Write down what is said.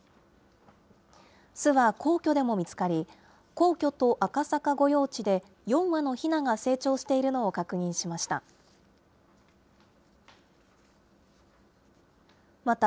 巣は皇居でも見つかり、皇居と赤坂御用地で、４羽のひなが成長しているのを確認しました。